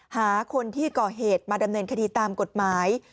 หาคนที่ก่อเหตุมาดำเนินคดีตามกฎหมาย